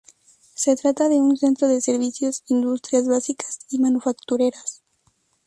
Se trata de un centro de servicios, industrias básicas y manufactureras.